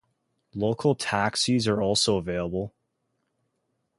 Local taxis are also available.